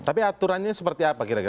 tapi aturannya seperti apa